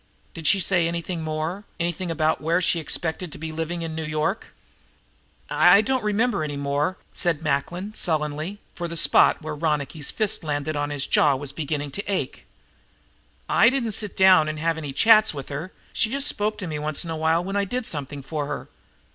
Did she say anything more, anything about where she expected to be living in New York?" "I don't remember any more," said Macklin sullenly, for the spot where Ronicky's fist landed on his jaw was beginning to ache. "I didn't sit down and have any chats with her. She just spoke to me once in a while when I did something for her.